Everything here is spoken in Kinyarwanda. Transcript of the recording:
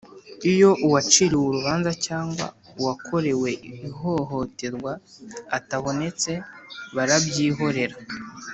Iyo uwaciriwe urubanza cyangwa uwakorewe ihohoterwa atabonetse barabyihorera